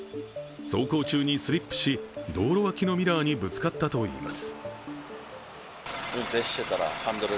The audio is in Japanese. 走行中にスリップし道路脇のミラーにぶつかったといいます。